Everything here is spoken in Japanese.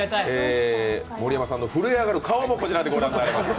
盛山さんの震え上がる顔もこちらでご覧いただけます。